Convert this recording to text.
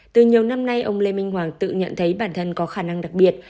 từ nhiều năm nay ông lê minh hoàng tự nhận thấy bản thân có khả năng đặc biệt